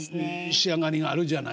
仕上がりがあるじゃないですか。